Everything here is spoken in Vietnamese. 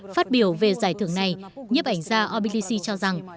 phát biểu về giải thưởng này nhiếp ảnh gia obilisi cho rằng